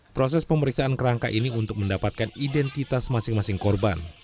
proses pemeriksaan kerangka ini untuk mendapatkan identitas masing masing korban